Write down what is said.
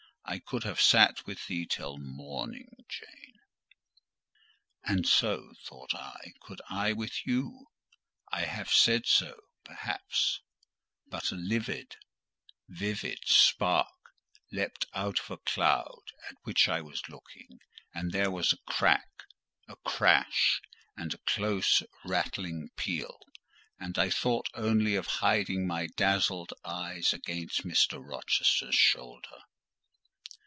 I could have sat with thee till morning, Jane." "And so," thought I, "could I with you." I should have said so, perhaps, but a livid, vivid spark leapt out of a cloud at which I was looking, and there was a crack, a crash, and a close rattling peal; and I thought only of hiding my dazzled eyes against Mr. Rochester's shoulder.